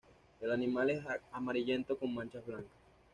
El animal es amarillento con manchas blancas.